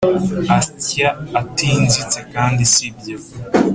Asya atanzitse kandi sibyo